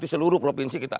semua provinsi kita